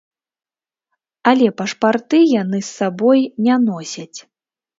Але пашпарты яны з сабой не носяць.